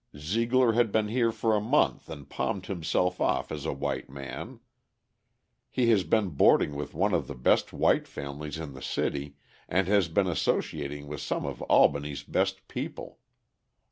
Zeigler had been here for a month and palmed himself off as a white man. He has been boarding with one of the best white families in the city and has been associating with some of Albany's best people.